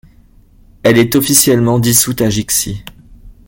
Elle est officiellement dissoute à Jixi.